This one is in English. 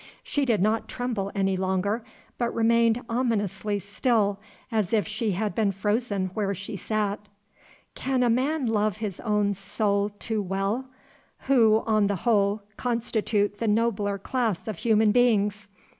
She did not tremble any longer, but remained ominously still, as if she had been frozen where she sat. Can a man love his own soul too well? Who, on the whole, constitute the nobler class of human beings?